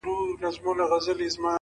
ځمه له روحه مي بدن د گلبدن را باسم’